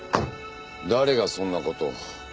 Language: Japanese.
誰がそんな事を。